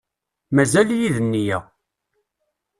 Mazal-iyi d nneyya.